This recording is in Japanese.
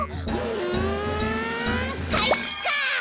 んかいか！